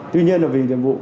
tuy nhiên là vì nhiệm vụ